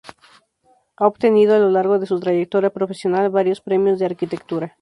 Ha obtenido a lo largo de su trayectoria profesional varios premios de Arquitectura.